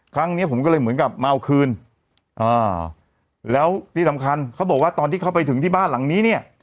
ครั้งเนี้ยผมก็เลยเหมือนกับมาเอาคืนอ่าแล้วที่สำคัญเขาบอกว่าตอนที่เข้าไปถึงที่บ้านหลังนี้เนี่ย